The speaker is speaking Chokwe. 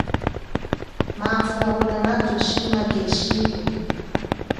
Mafo akulia nacho shima keshiko.